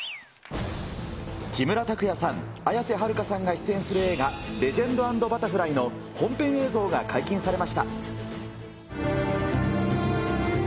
木村拓哉さん、綾瀬はるかさんが出演する映画、レジェンド＆バタフライの本編映像が解禁されました。